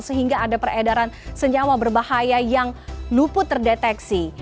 sehingga ada peredaran senyawa berbahaya yang luput terdeteksi